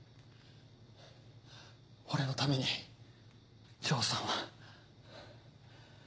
俺のために丈さんは。